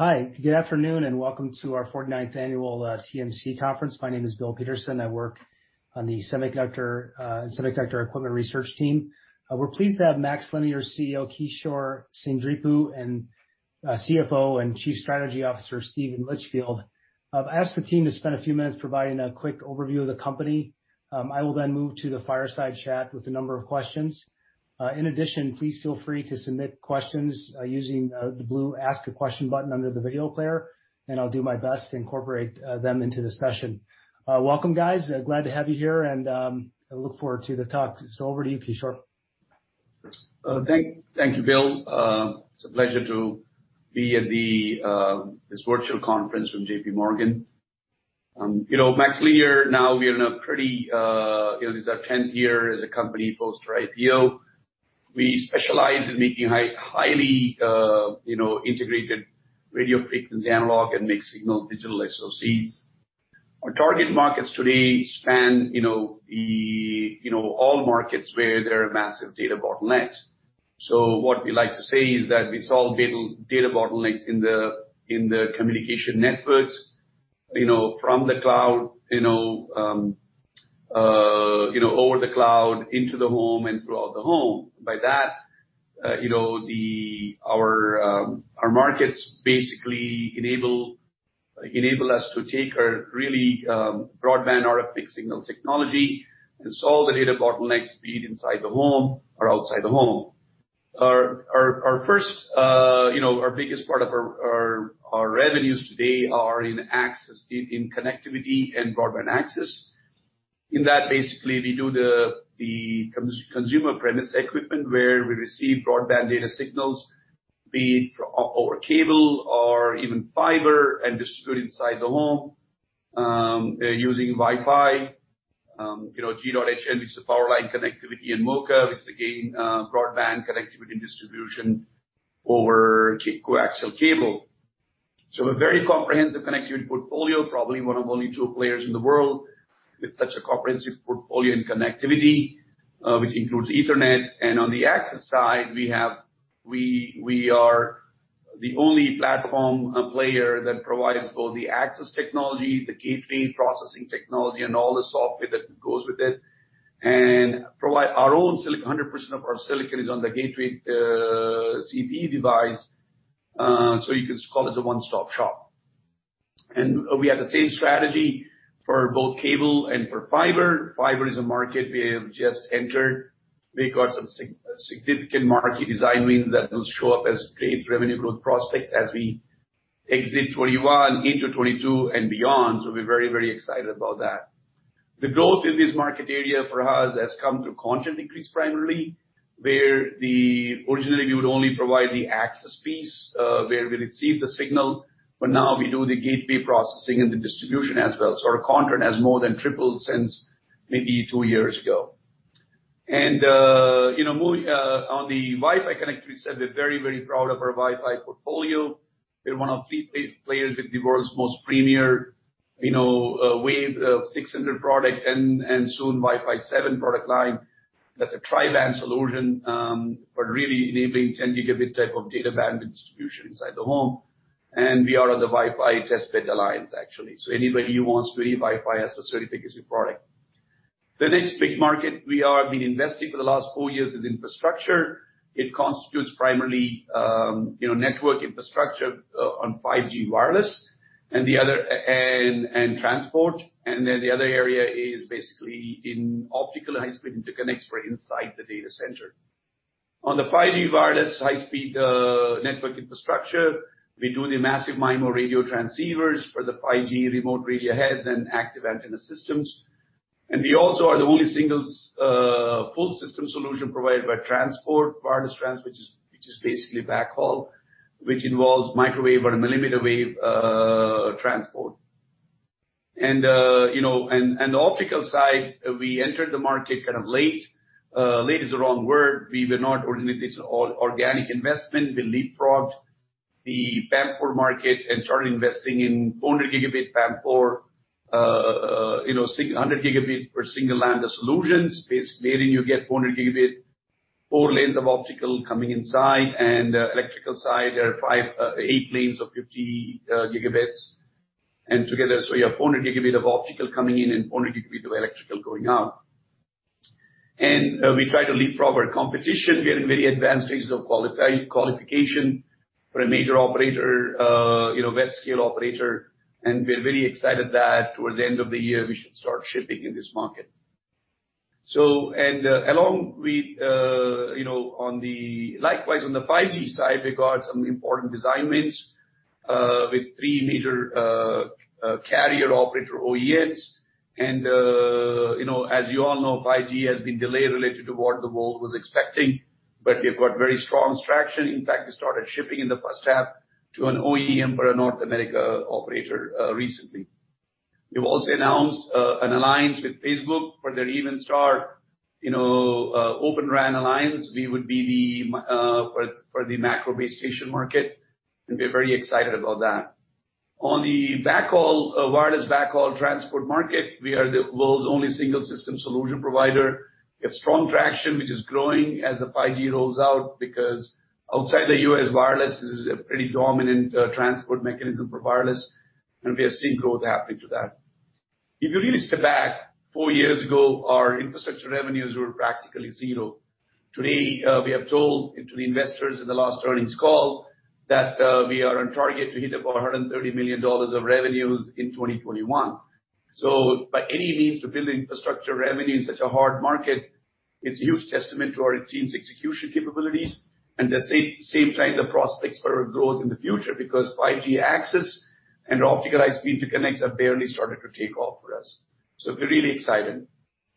Hi, good afternoon and welcome to our 49th Annual TMC Conference. My name is Bill Peterson, I work on the Semiconductor Equipment research team. We're pleased to have MaxLinear CEO, Kishore Seendripu, and CFO and Chief Strategy Officer, Steven Litchfield. I've asked the team to spend a few minutes providing a quick overview of the company. I will then move to the fireside chat with a number of questions. In addition, please feel free to submit questions using the blue Ask a Question button under the video player, and I'll do my best to incorporate them into the session. Welcome, guys. Glad to have you here, and I look forward to the talk. It's all over to you, Kishore. Thank you, Bill. It's a pleasure to be at this virtual conference from JPMorgan. MaxLinear, this is our 10th year as a company post our IPO. We specialize in making highly integrated radio frequency analog and mixed-signal digital SoCs. Our target markets today span all markets where there are massive data bottlenecks. What we like to say is that we solve data bottlenecks in the communication networks, from the cloud, over the cloud, into the home, and throughout the home. By that, our markets basically enable us to take our really broadband RF signal technology to solve the data bottlenecks be it inside the home or outside the home. Our biggest part of our revenues today are in connectivity and broadband access. In that basically, we do the consumer premise equipment where we receive broadband data signals, be it over cable or even fiber, and distribute inside the home using Wi-Fi. G.hn is a power line connectivity and MoCA, which is again broadband connectivity distribution over coaxial cable. A very comprehensive connectivity portfolio, probably one of only two players in the world with such a comprehensive portfolio in connectivity, which includes Ethernet. On the access side, we are the only platform player that provides both the access technology, the gateway processing technology, and all the software that goes with it. 100% of our silicon is on the gateway CPE device, so you could us call as a one-stop shop. We have the same strategy for both cable and for fiber. Fiber is a market we have just entered. We got some significant market design wins that will show up as paid revenue growth prospects as we exit 2021 into 2022 and beyond. We're very excited about that. The build in this market area for us has come through content increase primarily, where originally we would only provide the access piece, where we receive the signal, but now we do the gateway processing and the distribution as well. Our content has more than tripled since maybe two years ago. On the Wi-Fi connectivity side, we're very proud of our Wi-Fi portfolio. We're one of the few big players with the world's most premier WAV600 product and soon Wi-Fi 7 product line. That's a tri-band solution, but really enabling 10 Gb type of data bandwidth distribution inside the home. We are on the Wi-Fi Alliance, actually. Anybody who wants to do Wi-Fi has to certainly take this new product. The next big market we have been investing for the last four years is infrastructure. It constitutes primarily network infrastructure on 5G wireless and transport. The other area is basically in optical high-speed interconnects for inside the data center. On the 5G wireless high-speed network infrastructure, we do the massive MIMO radio transceivers for the 5G remote radio heads and active antenna systems, and we also are the only single full system solution provider by transport, wireless transport, which is basically a backhaul, which involves microwave or millimeter wave transport. The optical side, we entered the market kind of late. Late is the wrong word. This is all organic investment. We leapfrogged the PAM4 market and started investing in 400 Gb PAM4, 600 Gb per single lambda solutions. Basically, you get 400 Gb, four lanes of optical coming inside and the electrical side, there are eight lanes of 50 Gb. Together, you have 400 Gb of optical coming in and 400 Gb of electrical going out. We try to leapfrog our competition, get very advanced stages of qualification for a major operator, web-scale operator, and we're very excited that towards the end of the year, we should start shipping in this market. Likewise, on the 5G side, we got some important design wins with three major carrier operator OEMs. As you all know, 5G has been delayed relative to what the world was expecting, we've got very strong traction. In fact, we started shipping in the first half to an OEM for a North America operator recently. We've also announced an alliance with Facebook for their Evenstar Open RAN alliance. We would be for the macro base station market, and we're very excited about that. On the wireless backhaul transport market, we are the world's only single system solution provider. We have strong traction, which is growing as the 5G rolls out because outside the U.S., wireless is a pretty dominant transport mechanism for wireless, and we are seeing growth happening to that. If you really step back, four years ago, our infrastructure revenues were practically zero. Today, we have told investors in the last earnings call that we are on target to hit about $130 million of revenues in 2021. By any means to build infrastructure revenue in such a hard market, it's a huge testament to our team's execution capabilities and at the same time, the prospects for our growth in the future because 5G access and optimized interconnects have barely started to take off for us. We're really excited.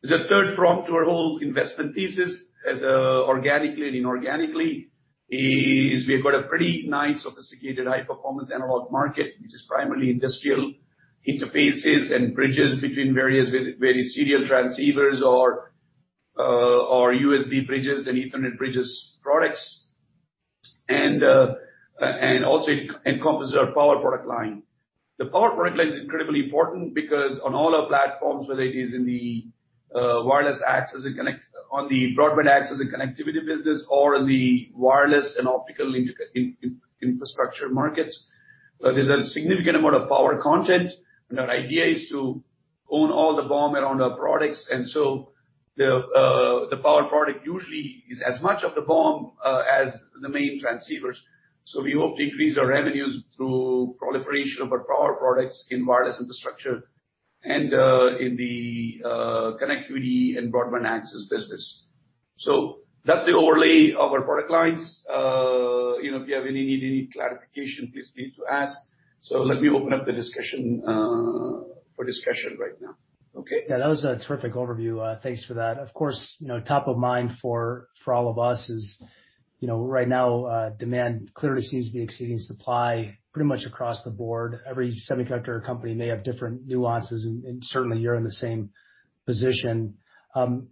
The third prong to our whole investment thesis, both organically and inorganically, is we've got a pretty nice sophisticated high-performance analog market, which is primarily industrial interfaces and bridges between various serial transceivers or USB bridges and Ethernet bridges products, and also encompasses our power product line. The power product line is incredibly important because on all our platforms, whether it is on the broadband access and connectivity business or the wireless and optical infrastructure markets, there's a significant amount of power content, and the idea is to own all the BOM around our products. The power product usually is as much of the BOM as the main transceivers. We hope to increase our revenues through proliferation of our power products in wireless infrastructure and in the connectivity and broadband access business. That's the overlay of our product lines. If you have any clarification, please feel to ask. Let me open up for discussion right now. Okay, that was a terrific overview thanks for that. Of course, top of mind for all of us is right now, demand clearly seems to be exceeding supply pretty much across the board. Every semiconductor company may have different nuances, and certainly, you're in the same position. Can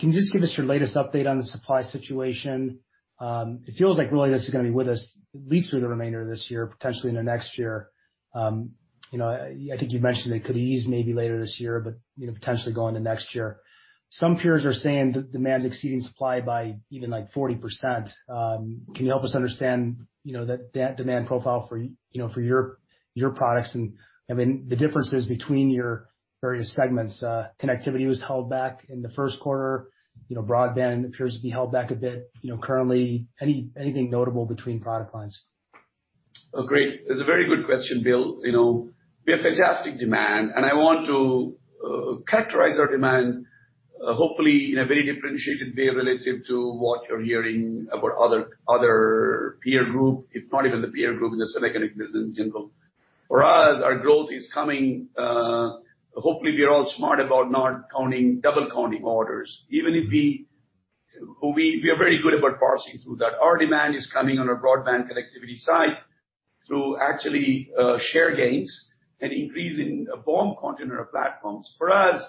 you just give us your latest update on the supply situation? It feels like really this is going to be with us at least through the remainder of this year, potentially into next year. I think you mentioned it could ease maybe later this year, but potentially go into next year. Some peers are saying that demand is exceeding supply by even 40%. Can you help us understand that demand profile for your products and the differences between your various segments? Connectivity was held back in the first quarter. Broadband appears to be held back a bit currently. Anything notable between product lines? Great. It's a very good question, Bill. We have fantastic demand, and I want to characterize our demand hopefully in a very differentiated way relative to what you're hearing about other peer groups, if not even the peer group, the semiconductor business in general. For us, our growth is coming. Hopefully, we are all smart about not double-counting orders. We are very good about parsing through that. Our demand is coming on our broadband connectivity side through actually share gains and increasing the BOM content of our platforms. For us,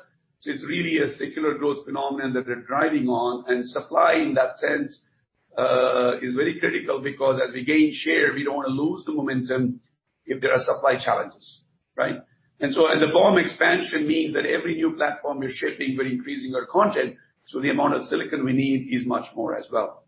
it's really a secular growth phenomenon that we're driving on, and supply in that sense is very critical because as we gain share, we don't want to lose the momentum if there are supply challenges, right? At the BOM expansion means that every new platform we're shipping, we're increasing our content, so the amount of silicon we need is much more as well.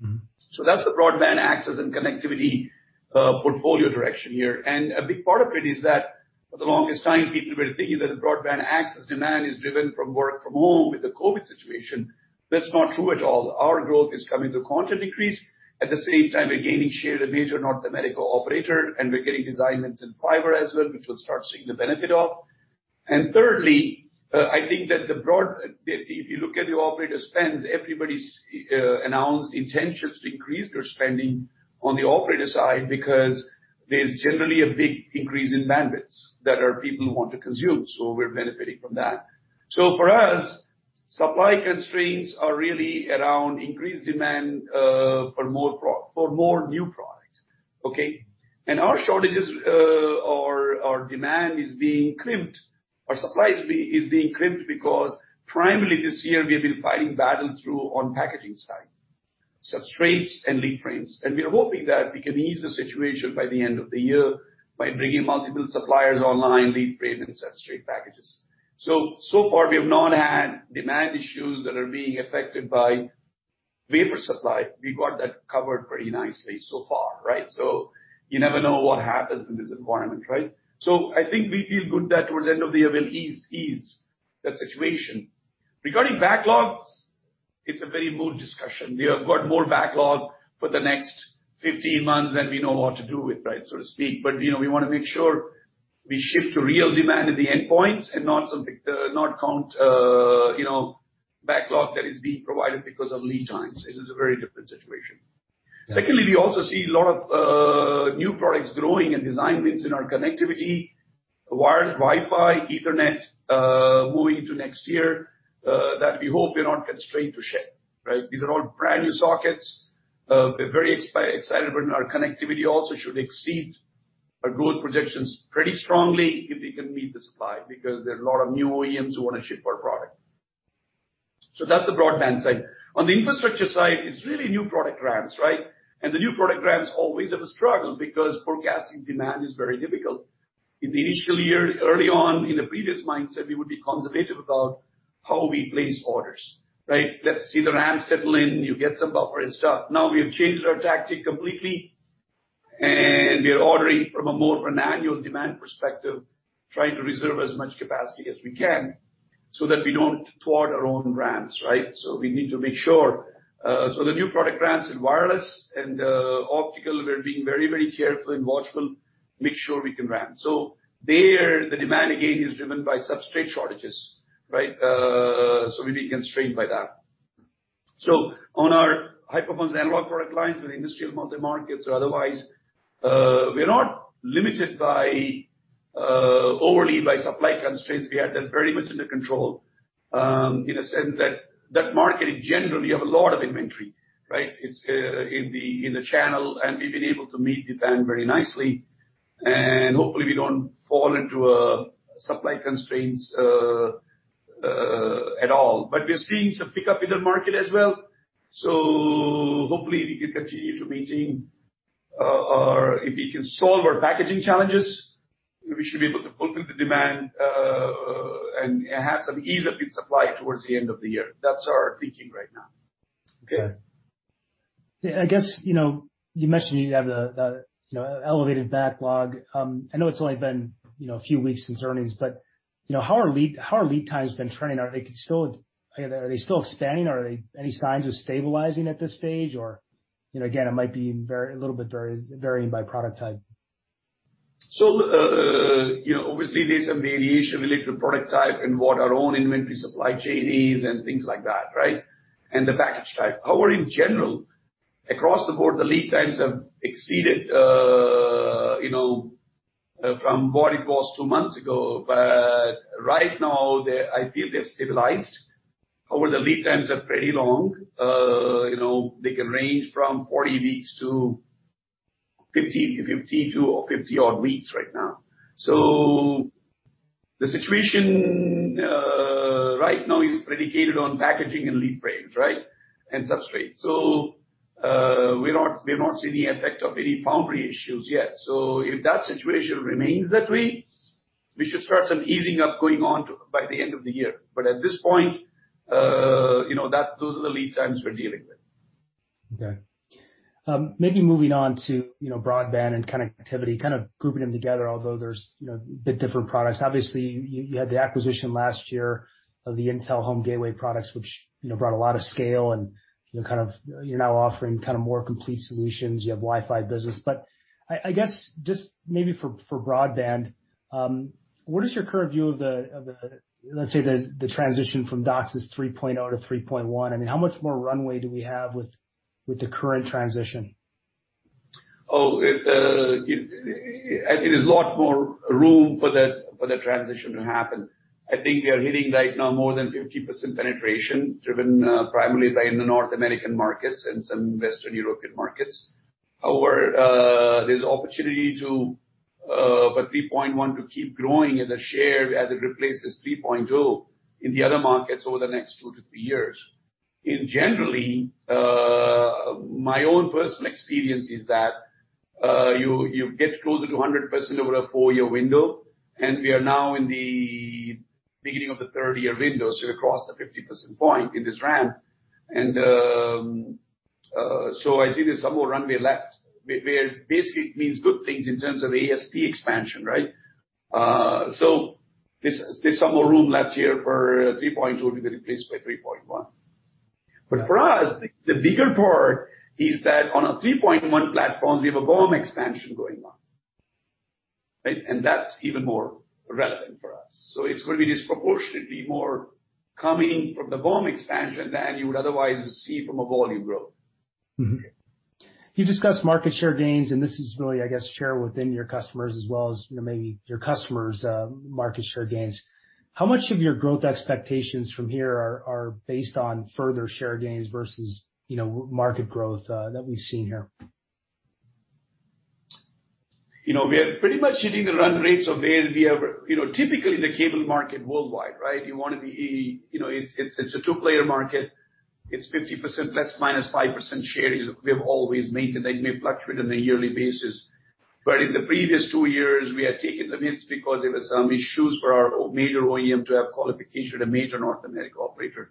That's the broadband access and connectivity portfolio direction here. A big part of it is that for the longest time, people were thinking that the broadband access demand is driven from work from home with the COVID situation. That's not true at all, our growth is coming from content increase. At the same time, we're gaining share of major North American operator, and we're getting design wins in fiber as well, which we'll start seeing the benefit of. Thirdly, if you look at the operator spend, everybody's announced intentions to increase their spending on the operator side because there's generally a big increase in bandwidth that our people want to consume. We're benefiting from that. For us, supply constraints are really around increased demand for more new products, okay? Our demand is being crimped. Our supply is being crimped because primarily this year, we've been fighting battle through on the packaging side, substrates and leadframes. We are hoping that we can ease the situation by the end of the year by bringing multiple suppliers online, leadframe, and substrate packages. So far, we have not had demand issues that are being affected by wafer supply. We got that covered pretty nicely so far, right? You never know what happens in this environment, right? I think we feel good that towards the end of the year, we'll ease the situation. Regarding backlogs, it's a very bold discussion. We have got more backlog for the next 15 months than we know what to do with, so to speak. We want to make sure we ship to real demand at the endpoints and not count backlog that is being provided because of lead times. It is a very different situation. Secondly, we also see a lot of new products growing and design wins in our connectivity, wired Wi-Fi, Ethernet, moving to next year, that we hope we don't constrain to ship, right? These are all brand-new sockets. We're very excited when our connectivity also should exceed our growth projections pretty strongly if we can meet the supply because there are a lot of new OEMs who want to ship our product. That's the broadband side. On the infrastructure side, it's really new product ramps, right? The new product ramps always have a struggle because forecasting demand is very difficult. In the initial years, early on in the previous mindset, we would be conservative about how we place orders, right? Let's see the ramp settle in, you get some buffer and stuff. Now we have changed our tactic completely, and we are ordering from a more of an annual demand perspective, trying to reserve as much capacity as we can so that we don't thwart our own ramps, right? We need to make sure. The new product ramps in wireless and optical, we're being very careful and watchful to make sure we can ramp. There, the demand, again, is driven by substrate shortages, right? We'll be constrained by that. On our high-performance analog product lines for the industrial multi-market or otherwise, we're not limited overly by supply constraints. We have that very much under control, in a sense that that market in general, we have a lot of inventory, right? It's in the channel, and we've been able to meet demand very nicely, and hopefully we don't fall into supply constraints at all. We're seeing some pickup in the market as well. Hopefully we can continue to maintain or if we can solve our packaging challenges, we should be able to book the demand and have some ease up in supply towards the end of the year. That's our thinking right now. Okay. I guess, you mentioned you have that elevated backlog. I know it's only been a few weeks since earnings, how are lead times been trending? Are they still staying? Are there any signs of stabilizing at this stage? Again, it might be a little bit varying by product type. Obviously there's some variation related to product type and what our own inventory supply chain is and things like that, right? The package type. In general, across the board, the lead times have exceeded from what it was two months ago. Right now, I think they've stabilized, the lead times are pretty long. They can range from 40 weeks to 50 or 50 odd weeks right now. The situation right now is predicated on packaging and lead frames, right? Substrates. We don't see the effect of any foundry issues yet. If that situation remains that way, we should start seeing easing up going on by the end of the year. At this point, those are the lead times we're dealing with. Okay. Maybe moving on to broadband and connectivity, kind of grouping them together, although there's a bit different products. Obviously, you had the acquisition last year of the Intel Home Gateway products, which brought a lot of scale and you're now offering more complete solutions. You have Wi-Fi business. I guess just maybe for broadband, what is your current view of the, let's say, the transition from DOCSIS 3.0 to 3.1, and how much more runway do we have with the current transition? I think there's a lot more room for that transition to happen. I think we are hitting right now more than 50% penetration, driven primarily by the North American markets and some Western European markets. There's opportunity for 3.1 to keep growing as a share as it replaces 3.0 in the other markets over the next two to three years. In general, my own personal experience is that you get closer to 100% over a four-year window, we are now in the beginning of the third year window, we crossed the 50% point in this ramp. I think there's some more runway left, where basically it means good things in terms of ASP expansion, right. There's some more room left here for 3.0 to be replaced by 3.1. For us, the bigger part is that on a 3.1 platform, we have a BOM extension going on, right? That's even more relevant for us. It's going to be disproportionately more coming from the BOM extension than you would otherwise see from a volume growth. You discussed market share gains. This is really, I guess, share within your customers as well as maybe your customers' market share gains. How much of your growth expectations from here are based on further share gains versus market growth that we've seen here? We are pretty much hitting the run rates of where we are typically in the cable market worldwide, right? It's a two-player market, it's 50% plus minus 5% shares we have always maintained. They may fluctuate on a yearly basis. In the previous two years, we have taken some hits because there were some issues for our major OEM to have qualification a major North American operator.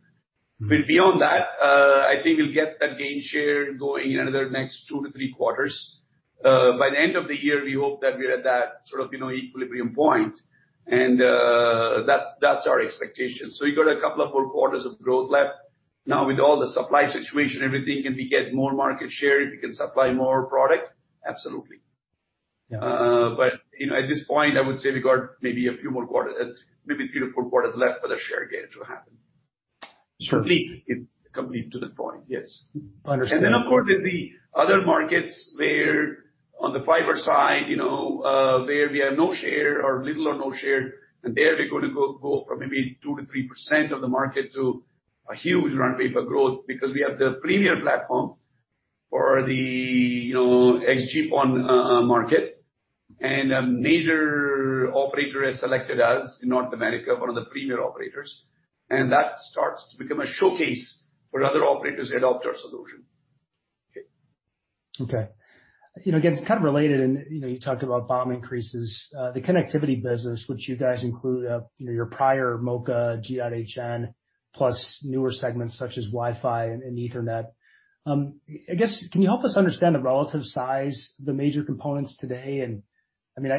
Beyond that, I think you'll get the gain share going another next two to three quarters. By the end of the year, we hope that we're at that sort of equilibrium point, and that's our expectation. You got a couple of more quarters of growth left. With all the supply situation and everything, if you get more market share, you can supply more product, absolutely. Yeah. At this point, I would say we got maybe a few more quarters left for the share gains to happen. Sure. If we continue to the point, yes. Understood. Of course, there'll be other markets where on the fiber side, where we have no share or little or no share, and there we're going to go from maybe 2%-3% of the market to a huge run rate of growth because we have the premium platform for the XGS-PON market. A major operator has selected us in North America, one of the premier operators, and that starts to become a showcase for other operators to adopt our solution. Okay. Again, it's kind of related, and you talked about BOM increases. The connectivity business, which you guys included your prior MoCA, G.hn, plus newer segments such as Wi-Fi and Ethernet. I guess, can you help us understand the relative size of the major components today?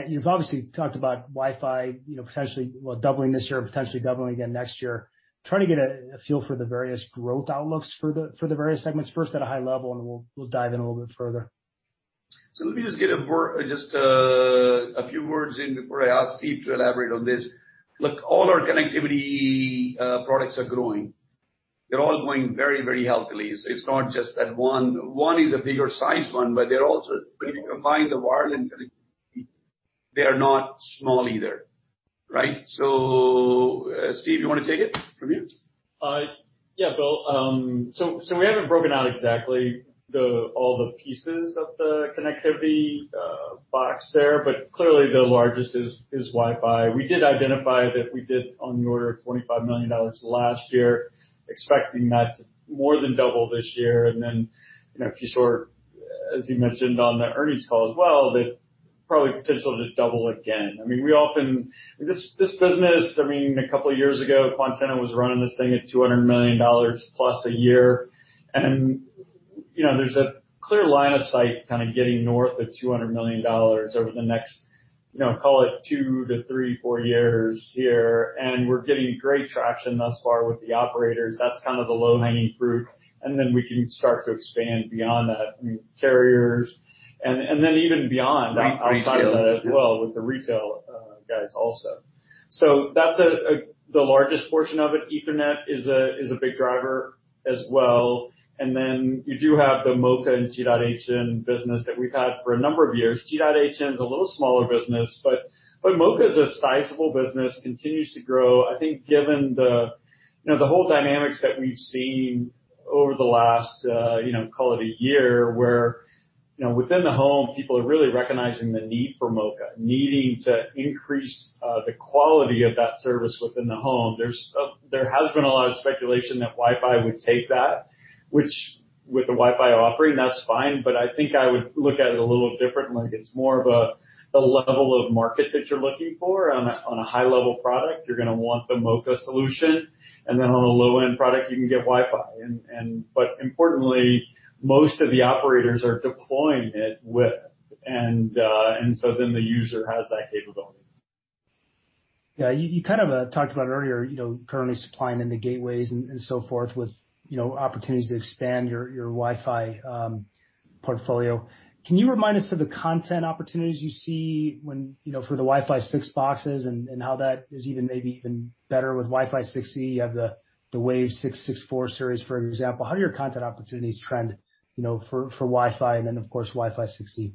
You've obviously talked about Wi-Fi potentially doubling this year, potentially doubling again next year. Try to get a feel for the various growth outlooks for the various segments. First at a high level, and we'll dive in a little bit further. Let me just get a few words in before I ask Steve to elaborate on this. All our connectivity products are growing. They're all growing very, very healthily, so it's not just that one. One is a bigger sized one, but they're also when you combine the environment connectivity, they are not small either. Right? Steve, you want to take it from here? Yeah, Bill. We haven't broken out exactly all the pieces of the connectivity box there, but clearly the largest is Wi-Fi. We did identify that we did on the order of $25 million last year, expecting that to more than double this year. If you sort, as you mentioned on the earnings call as well, that probably tips on to double again. This business, a couple of years ago, Quantenna was running this thing at $200 million plus a year, and there's a clear line of sight kind of getting north of $200 million over the next, call it two to three, four years here, and we're getting great traction thus far with the operators. That's kind of the low-hanging fruit, then we can start to expand beyond that, I mean carriers. Right. -outside of that as well with the retail guys also. That's the largest portion of it. Ethernet is a big driver as well, and then you do have the MoCA and G.hn business that we've had for a number of years. G.hn is a little smaller business, but MoCA is a sizable business, continues to grow. I think given the whole dynamics that we've seen over the last, call it a year, where within the home, people are really recognizing the need for MoCA, needing to increase the quality of that service within the home. There has been a lot of speculation that Wi-Fi would take that, which with a Wi-Fi offering, that's fine. I think I would look at it a little differently. It's more of a level of market that you're looking for on a high-level product. You're going to want the MoCA solution, and then on a low-end product, you can get Wi-Fi. Importantly, most of the operators are deploying it with, and so then the user has that capability. Yeah, you kind of talked about earlier currently supplying in the gateways and so forth with opportunities to expand your Wi-Fi portfolio. Can you remind us of the content opportunities you see for the Wi-Fi 6 boxes and how that is even maybe even better with Wi-Fi 6E? You have the WAV664 series, for example. How do your content opportunities trend for Wi-Fi and then, of course, Wi-Fi 6E?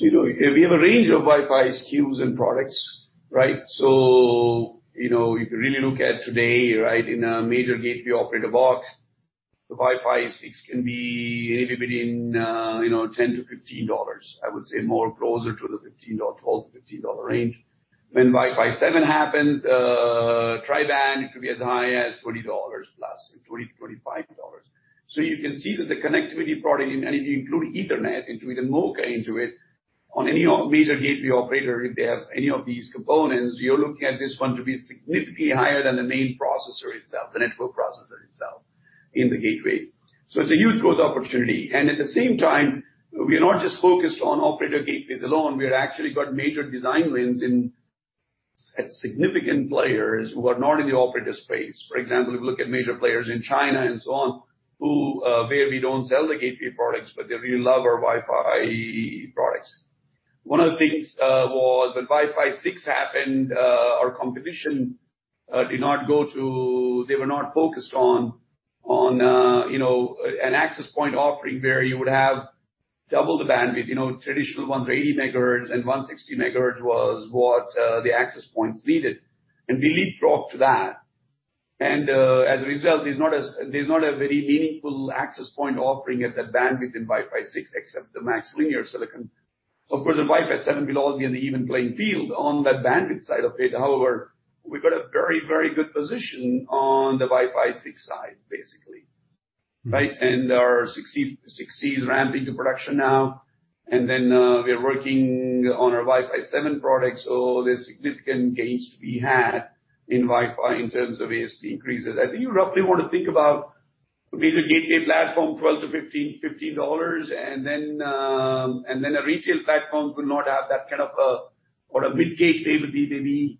We have a range of Wi-Fi SKUs and products. If you really look at today, in a major gateway operator box, the Wi-Fi 6 can be anywhere between $10-$15. I would say more closer to the $12-$15 range. When Wi-Fi 7 happens, tri-band, it could be as high as $40+, so $40, $45. You can see that the connectivity product, and if you include Ethernet, if you include a MoCA into it, on any major gateway operator, if they have any of these components, you're looking at this one to be significantly higher than the main processor itself, the network processor itself in the gateway. It's a huge growth opportunity. At the same time, we are not just focused on operator gateways alone. We've actually got major design wins in significant players who are not in the operator space. For example, you look at major players in China and so on who maybe don't sell the gateway products, but they really love our Wi-Fi products. One of the things was when Wi-Fi 6 happened, they were not focused on an access point offering where you would have double the bandwidth. Traditional ones are 80 MHz and 160 MHz was what the access points needed, and we leapfrogged to that. As a result, there's not a very meaningful access point offering at the bandwidth in Wi-Fi 6 except the MaxLinear silicon. Of course, in Wi-Fi 7, we'd all be on an even playing field on the bandwidth side of it. However, we've got a very, very good position on the Wi-Fi 6 side, basically. Right? Our 6E is ramping to production now, and then we're working on our Wi-Fi 7 products, so there's significant gains to be had in Wi-Fi in terms of ASP increases. I think you roughly want to think about maybe the gateway platform $12-$15, and then a retail platform will not have that kind of or a mid-tier platform maybe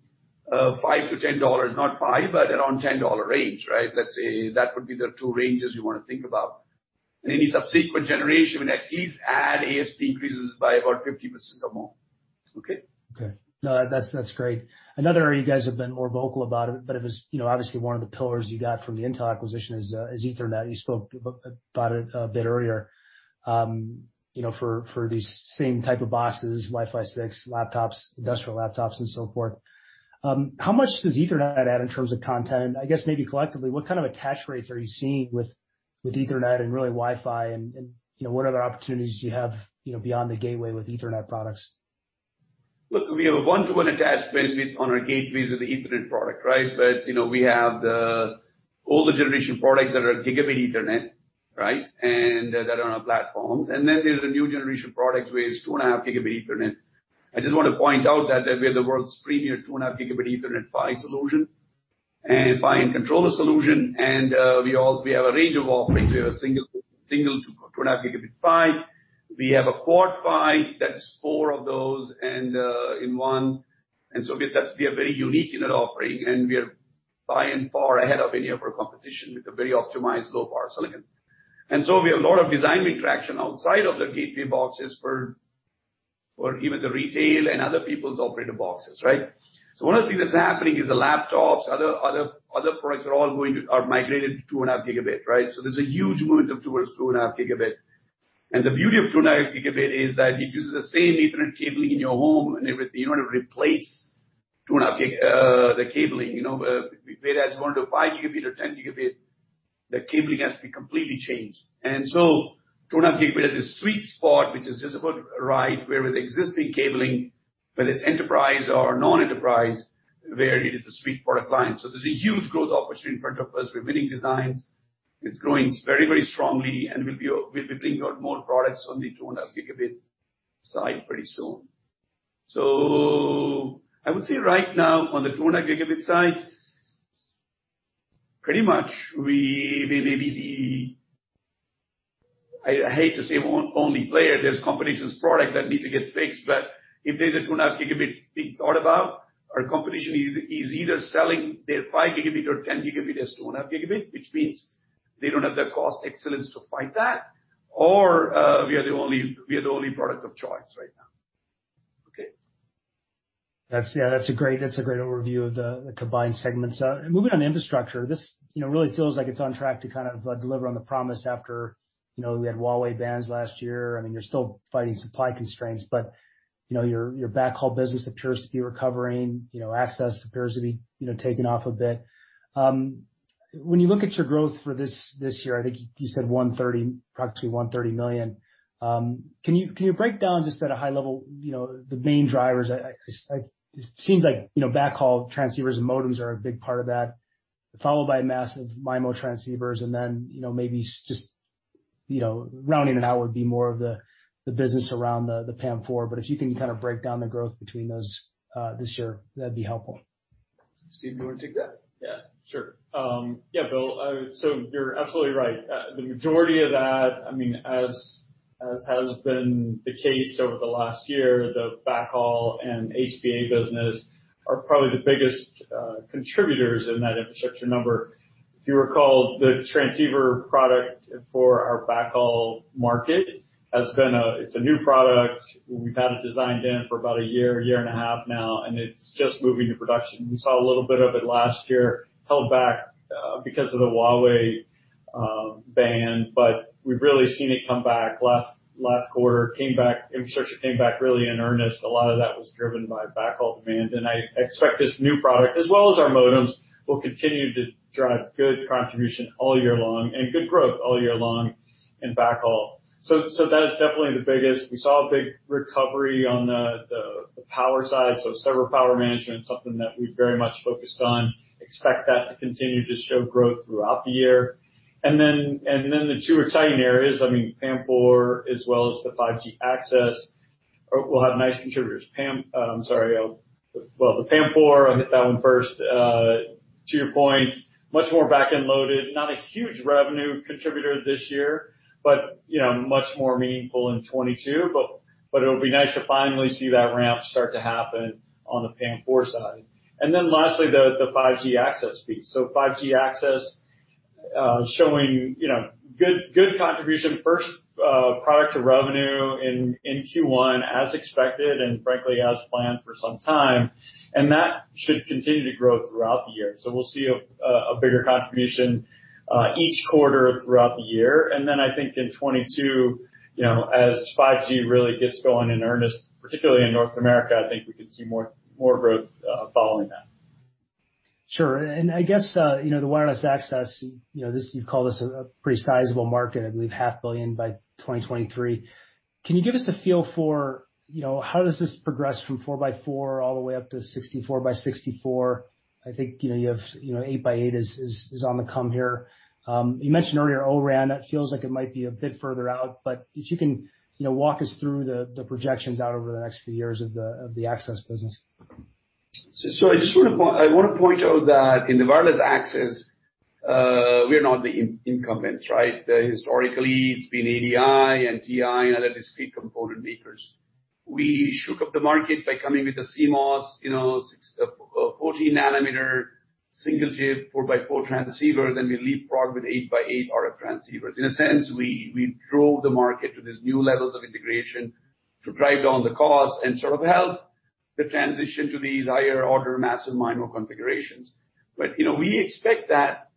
$5-$10. Not $5, but around $10 range, right? That would be the two ranges you want to think about. Any subsequent generation will at least add ASP increases by about 50% or more. Okay. No, that's great. I know that you guys have been more vocal about it, but obviously one of the pillars you got from the Intel acquisition is Ethernet. You spoke about it a bit earlier. For these same type of boxes, Wi-Fi 6 laptops, industrial laptops, and so forth. How much does Ethernet add in terms of content? I guess maybe collectively, what kind of attach rates are you seeing with Ethernet and really Wi-Fi and what other opportunities do you have beyond the gateway with Ethernet products? Look, we have a one-to-one attachment on our gateways and the internet product. We have all the generation products that are Gigabit Ethernet, and that are on our platforms. There's a new generation of products where it's 2.5 Gb Ethernet. I just want to point out that we have the world's premier 2.5 Gb Ethernet PHY solution and PHY and controller solution, and we have a range of offerings, a single 2.5. We have a quad PHY, that's four of those and in one. We are very unique in that offering, and we are by and far ahead of any of our competition with a very optimized low-power silicon. We have a lot of design win traction outside of the gateway boxes for even the retail and other people's operating boxes. One of the things that's happening is the laptops, other products are all going to be migrated to 2.5 Gb. The beauty of 2.5 Gb is that you can use the same Ethernet cabling in your home and everything. You don't have to replace the cabling. Whereas going to 5Gb or 10 Gb, the cabling has to be completely changed. 2.5 Gb is a sweet spot, which is just about right, where with existing cabling, whether it's enterprise or non-enterprise, where it's a sweet spot appliance. There's a huge growth opportunity in front of us. We're winning designs. It's growing very strongly, and we'll be bringing out more products on the 2.5 Gb side pretty soon. I would say right now, on the 2.5 Gb side, pretty much we may be the, I hate to say only player. There's competition's product that need to get fixed. If they did 2.5 Gb being thought about, our competition is either selling their 5 Gb or 10 Gb as 2.5 Gb, which means they don't have the cost excellence to fight that, or we are the only product of choice right now. Okay. That's a great overview of the combined segments. Moving on to infrastructure, this really feels like it's on track to kind of deliver on the promise after we had Huawei bans last year. I mean, you're still fighting supply constraints, but your backhaul business appears to be recovering. Access appears to be taking off a bit. When you look at your growth for this year, I think you said roughly $130 million. Can you break down just at a high level, the main drivers? It seems like backhaul transceivers and modems are a big part of that, followed by massive MIMO transceivers and then maybe just routing and that would be more of the business around the PAM4. If you can kind of break down the growth between those this year, that'd be helpful. Steve, you want to take that? Yeah, sure. Yeah, Bill, you're absolutely right. The majority of that, as has been the case over the last year, the backhaul and HBA business are probably the biggest contributors in that infrastructure number. If you recall, the transceiver product for our backhaul market, it's a new product. We've had it designed in for about a year and a half now, and it's just moving to production. We saw a little bit of it last year held back because of the Huawei ban, but we've really seen it come back last quarter. Infrastructure came back really in earnest. A lot of that was driven by backhaul demand, and I expect this new product, as well as our modems, will continue to drive good contribution all year long and good growth all year long in backhaul. That is definitely the biggest. We saw a big recovery on the power side. Server power management, something that we're very much focused on, expect that to continue to show growth throughout the year. The two exciting areas, PAM4 as well as the 5G access will have nice contributors. The PAM4, I'll hit that one first. To your point, much more back-end loaded, not a huge revenue contributor this year, but much more meaningful in 2022. It'll be nice to finally see that ramp start to happen on the PAM4 side. Lastly, the 5G access piece. 5G access showing good contribution. First product of revenue in Q1 as expected and frankly as planned for some time, and that should continue to grow throughout the year. We'll see a bigger contribution each quarter throughout the year. I think in 2022, as 5G really gets going in earnest, particularly in North America, I think we could see more growth following that. Sure. I guess, the wireless access, you call this a pretty sizable market, I believe half a billion by 2023. Can you give us a feel for how does this progress from four-by-four all the way up to 64 by 64? I think eight by eight is on the come here. You mentioned earlier O-RAN. It feels like it might be a bit further out, but if you can walk us through the projections out over the next few years of the access business. I want to point out that in the wireless access, we are not the incumbents. Historically, it's been ADI and TI, and other discrete component makers. We shook up the market by coming with a CMOS 14 nanometer single-chip 4/4 transceiver, then the lead product with 8/8 RF transceivers. In a sense, we drove the market to these new levels of integration to drive down the cost and sort of help the transition to the higher order massive MIMO configurations. We expect that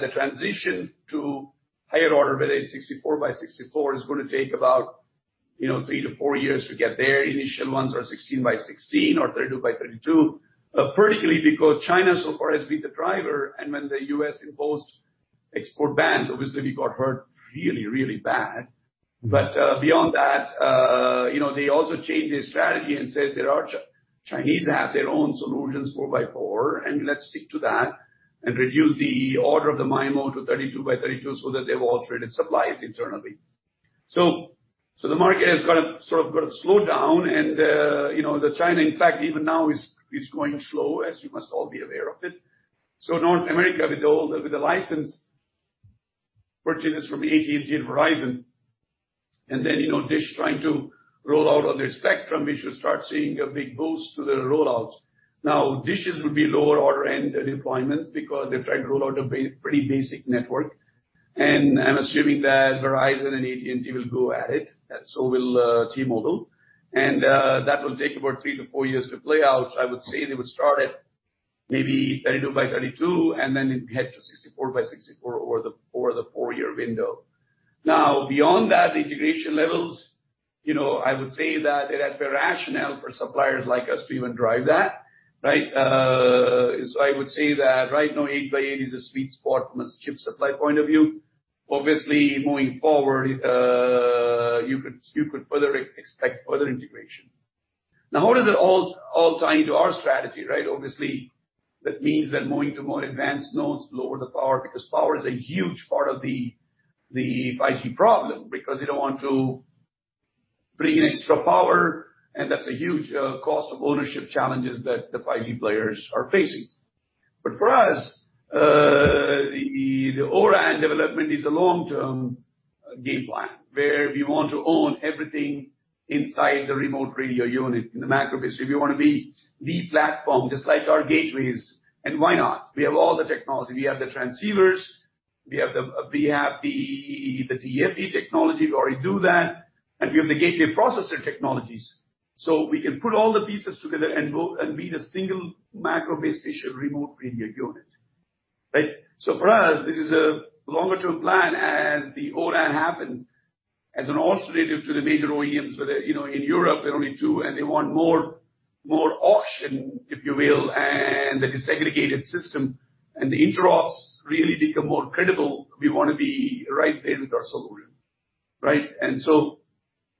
the transition to higher order, whether it's 64/64, is going to take about three to four years to get there. Initial ones are 16/16 or 32/32. Particularly because China so far has been the driver, and when the U.S. imposed export bans obviously got hurt really bad. Beyond that, they also changed their strategy and said that Chinese have their own solutions 4/4, and let's stick to that and reduce the order of the massive MIMO to 32/32 so that they've all traded supplies internally. The market has sort of got slowed down and, China, in fact, even now is growing slow, as you must all be aware of it. North America with all the licensed purchases from AT&T and Verizon, and then Dish trying to roll out on their spectrum, we should start seeing a big boost to their rollouts. Now, Dish's will be lower order end deployments because they try to roll out a pretty basic network, and I'm assuming that Verizon and AT&T will go at it, and so will T-Mobile. That will take about three to four years to play out. I would say they would start at maybe 32/32, and then it would head to 64/64 over the four-year window. Beyond that integration levels, I would say that it has to rational for suppliers like us to even drive that. Right? I would say that right now eight by eight is a sweet spot from a chip supply point of view. Obviously, moving forward, you could further expect other integration. Now, how does it all tie into our strategy, right? Obviously, that means that moving to more advanced nodes lower the power, because power is a huge part of the 5G problem, because they don't want to bring in extra power, and that's a huge cost of ownership challenges that the 5G players are facing. For us, the O-RAN development is a long-term game plan where we want to own everything inside the remote radio unit in the macro base. We want to be the platform, just like our gateways. Why not? We have all the technology. We have the transceivers, we have the DFE technology to already do that, and we have the gateway processor technologies. We can put all the pieces together and be the single macro base station remote radio unit. Right? For us, this is a longer-term plan as the O-RAN happens as an alternative to the major OEMs that, in Europe, there are only two, and they want more auction, if you will, and a desegregated system. The interops really become more critical. We want to be right there with our solution. Right?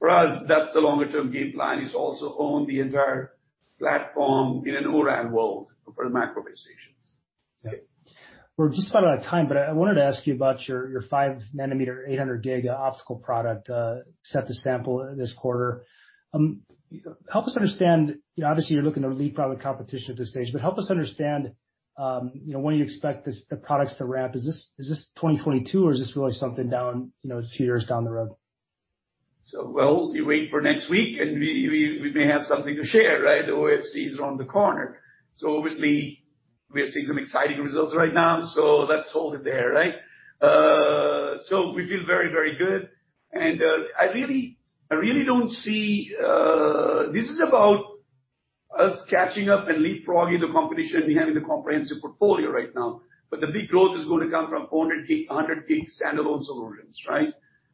For us, that's the longer-term game plan is also own the entire platform in an O-RAN world for the macro base stations. Okay. I wanted to ask you about your 5-nanometer 800G optical product set to sample this quarter. Help us understand, obviously, you're looking to lead product competition at this stage, but help us understand when you expect the products to ramp. Is this 2022 or is this really something down a few years down the road? Well, we wait for next week, and we may have something to share, right? OFC is around the corner. Obviously, we are seeing some exciting results right now. Let's hold it there. Right? We feel very good. This is about us catching up and leapfrogging the competition. We have the comprehensive portfolio right now, but the big growth is going to come from 400G, 100G standalone solutions, right?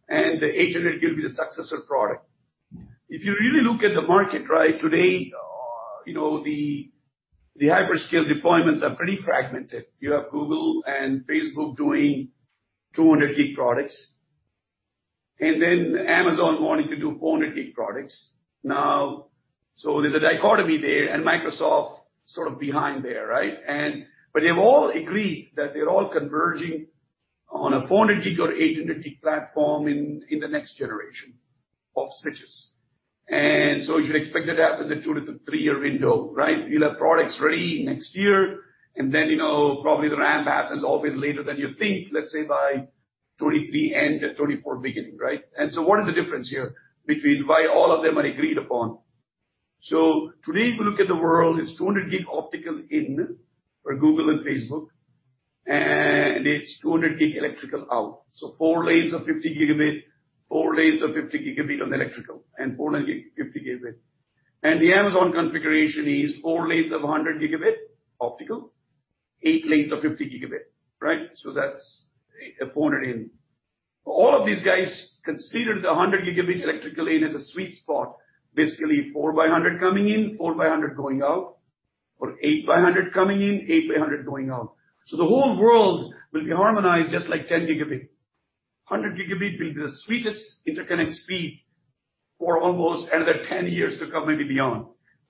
The 800G will be the successor product. If you really look at the market today, the hyperscale deployments are pretty fragmented. You have Google and Facebook doing 200G products, and then Amazon wanting to do 400G products now. There's a dichotomy there, and Microsoft sort of behind there, right? They've all agreed that they're all converging on a 400G or 800G platform in the next generation of switches. You should expect that within a two to three-year window, right? You'll have products ready next year, and then, probably the ramp happens always later than you think, let's say by 2023 end or 2024 beginning, right? What is the difference here between why all of them are agreed upon? Today, if you look at the world, it's 200G optical in for Google and Facebook, and it's 200G electrical out. So four lanes of 50 Gb, four lanes of 50 Gb of electrical, and 400 Gb. The Amazon configuration is four lanes of 100 Gb optical, eight lanes of 50 Gb. Right? So that's 400 Gb in. All of these guys consider the 100 Gb electrical lane as a sweet spot, basically 4/100 coming in, 4/100 going out, or 8/100 coming in, 8/100 going out. The whole world will be harmonized just like 10 Gb. 100 Gb will be the sweetest interconnect speed for almost another 10 years to come and beyond.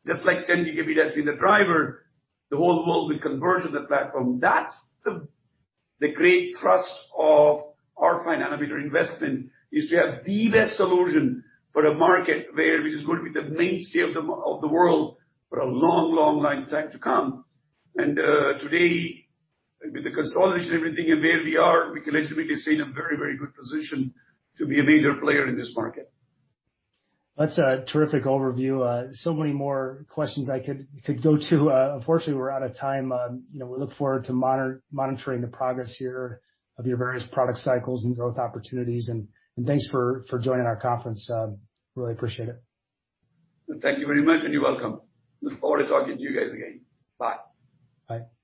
Just like 10 Gbhas been the driver, the whole world will converge on the platform. That's the great thrust of our five-nanometer investment, is to have the best solution for the market where this is going to be the mainstay of the world for a long time to come. Today, with the consolidation of everything and where we are, we can actually be seen in a very good position to be a major player in this market. That's a terrific overview. Many more questions I could go to. Unfortunately, we're out of time. We look forward to monitoring the progress here of your various product cycles and growth opportunities, and thanks for joining our conference. Really appreciate it. Thank you very much. You're welcome. Look forward to talking to you guys again. Bye. Bye.